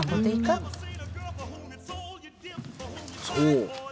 そう。